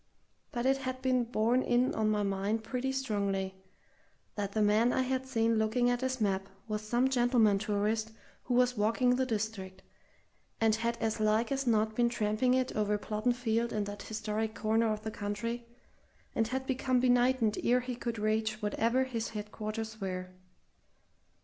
But it had been borne in on my mind pretty strongly that the man I had seen looking at his map was some gentleman tourist who was walking the district, and had as like as not been tramping it over Plodden Field and that historic corner of the country, and had become benighted ere he could reach wherever his headquarters were.